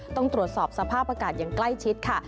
ต้องตรวจสอบสภาพอากาศอย่างใกล้ชิดค่ะ